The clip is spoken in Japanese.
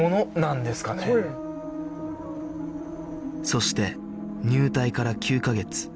そして入隊から９カ月